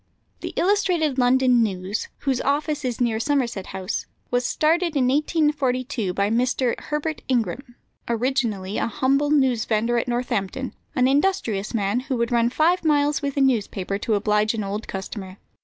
The Illustrated London News, whose office is near Somerset House, was started in 1842 by Mr. Herbert Ingram, originally a humble newsvendor at Northampton; an industrious man, who would run five miles with a newspaper to oblige an old customer.